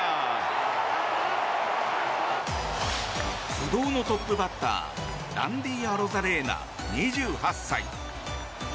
不動のトップバッターランディ・アロザレーナ２８歳。